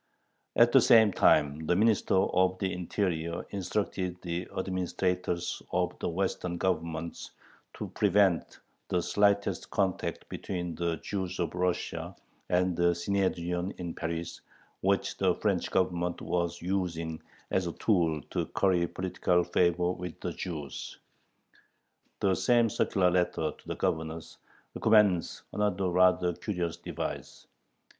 At the same time the Minister of the Interior instructed the administrators of the western Governments to prevent the slightest contact between the Jews of Russia and the Synhedrion in Paris, which the French Government was using as a tool to curry political favor with the Jews. The same circular letter to the Governors recommends another rather curious device.